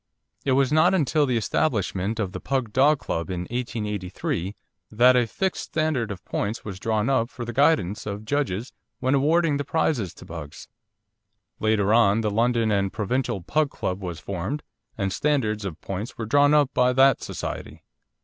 It was not until the establishment of the Pug Dog Club in 1883 that a fixed standard of points was drawn up for the guidance of judges when awarding the prizes to Pugs. Later on the London and Provincial Pug Club was formed, and standards of points were drawn up by that society.